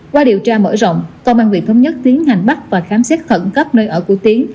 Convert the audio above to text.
qua điều tra mở rộng công an huyện thống nhất tiến hành bắt và khám xét khẩn cấp nơi ở của tiến